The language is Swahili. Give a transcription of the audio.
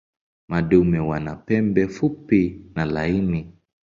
Madume wana pembe fupi na laini.